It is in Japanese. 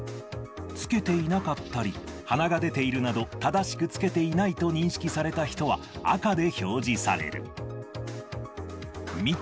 着けていなかったり、鼻が出ているなど、正しく着けていないと認識された人は赤で表示される。